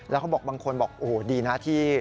แล้วก็บอกบางคนโอ้โฮดีนะที่